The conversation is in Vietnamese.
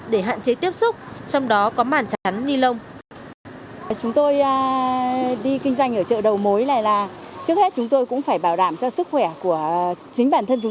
để hạn chế tiếp xúc trong đó có màn chắn ni lông